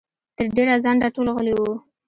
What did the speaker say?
تر ډېره ځنډه ټول غلي وو.